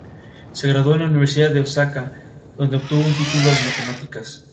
La portada del álbum fue diseñada por Javier Aramburu.